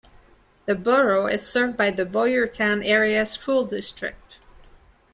The borough is served by the Boyertown Area School District.